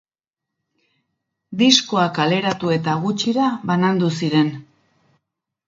Diskoa kaleratu eta gutxira banandu ziren.